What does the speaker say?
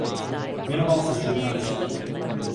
Věnoval se žurnalistice.